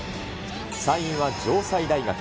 ３位は城西大学。